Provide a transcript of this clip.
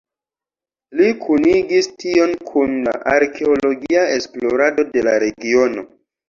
Li kunigis tion kun la arkeologia esplorado de la regiono.